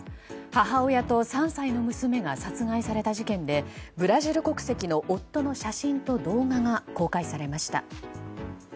母親と３歳の娘が殺害された事件でブラジル国籍の夫の写真と動画が公開されました。